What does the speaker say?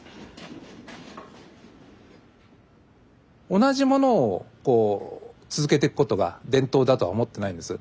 同じものを続けていくことが伝統だとは思ってないんです。